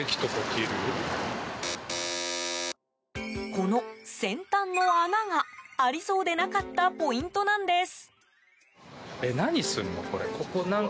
この先端の穴がありそうでなかったポイントなんです。